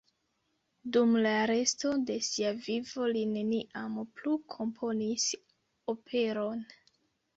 Dum la resto de sia vivo li neniam plu komponis operon.